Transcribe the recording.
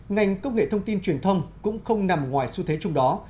ngành công nghệ thông tin truyền thông cũng không nằm ngoài xu thế chung đó